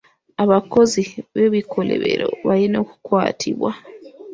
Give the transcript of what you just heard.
Abakozi b'ebikolobero balina okukwatibwa.